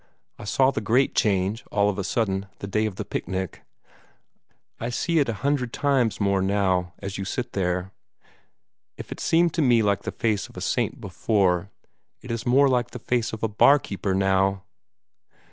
I saw the great change, all of a sudden, the day of the picnic. I see it a hundred times more now, as you sit there. If it seemed to me like the face of a saint before, it is more like the face of a bar keeper now!"